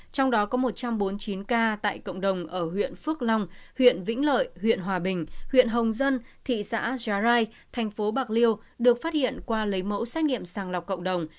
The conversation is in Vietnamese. trong đó có một trăm bốn mươi chín ca tại cộng đồng ở huyện phước long huyện vĩnh lợi huyện hòa bình huyện hồng dân thị xã già rai thành phố bạc liêu được phát hiện qua lấy mẫu xét nghiệm sàng lọc cộng đồng